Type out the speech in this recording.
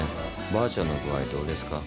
ばあちゃんの具合どうですか？